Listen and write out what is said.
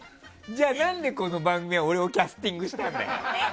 じゃあ、何でこの番組は俺をキャスティングしたんだよ！